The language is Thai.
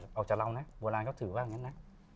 เอาจากก็ว่าเรานะเวลาเขาถือว่าอย่างเงี้ยนะ